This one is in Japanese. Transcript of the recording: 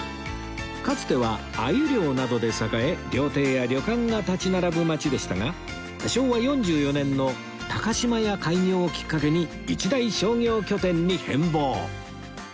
かつては鮎漁などで栄え料亭や旅館が立ち並ぶ町でしたが昭和４４年の島屋開業をきっかけに一大商業拠点に変貌